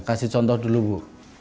kasih contoh dulu bu